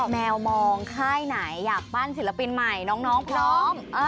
แมวมองค่ายไหนอยากปั้นศิลปินใหม่น้องพร้อม